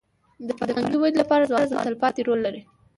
د فرهنګي ودي لپاره ځوانان تلپاتې رول لري.